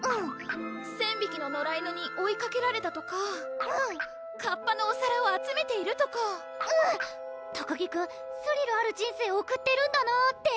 うん１０００匹の野良犬に追いかけられたとかうんカッパのお皿を集めているとかうん高木くんスリルある人生送ってるんだなって